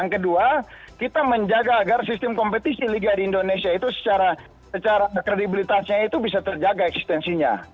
yang kedua kita menjaga agar sistem kompetisi liga di indonesia itu secara kredibilitasnya itu bisa terjaga eksistensinya